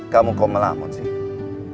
kamu kok melamun sih